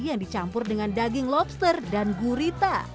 yang dicampur dengan daging lobster dan gurita